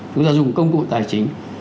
chúng ta dùng công cụ tài chính